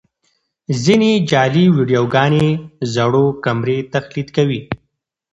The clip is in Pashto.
ځینې جعلي ویډیوګانې زړو کمرې تقلید کوي.